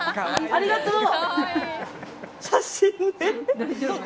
ありがとう！